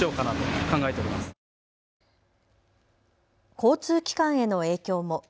交通機関への影響も。